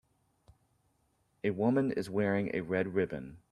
A woman is wearing a red ribbon.